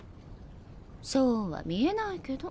そうは見えないけど。